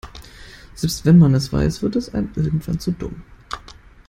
Selbst wenn man es weiß, wird es einem irgendwann zu dumm.